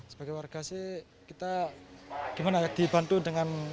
sebagai warga kita dibantu dengan